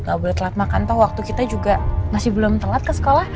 gak boleh telat makan toh waktu kita juga masih belum telat ke sekolah